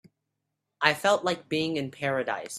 I felt like being in paradise.